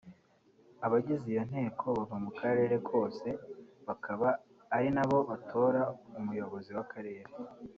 Abagize iyo nteko bava mu karere kose bakaba ari na bo batora umuyobozi w’akarere